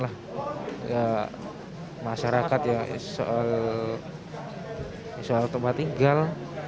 lah ya masyarakat ya soal tempat tinggal